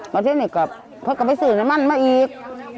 ประเทศนิกกับเขาก็ไปสื่อน้ำมันมาอีก